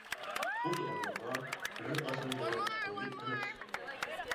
بۇ سوئاللارغا بىرەر ئاسان جاۋاب مەۋجۇت ئەمەس.